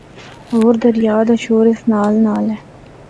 ہور دریا دا شور اس نال نال ہے۔